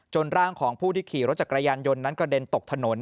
ร่างของผู้ที่ขี่รถจักรยานยนต์นั้นกระเด็นตกถนน